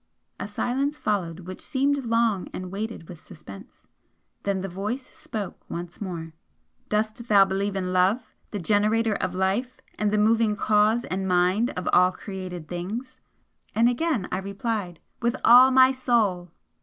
A silence followed which seemed long and weighted with suspense. Then the voice spoke once more "Dost thou believe in Love, the generator of Life and the moving Cause and Mind of all created things?" And again I replied "With all my soul!"